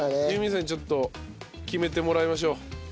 友美さんにちょっと決めてもらいましょう。